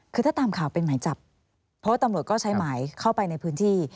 คือถ้าตามข่าวเป็นหมายจับเพราะว่าตำรวจก็ใช้หมายเข้าไปในพื้นที่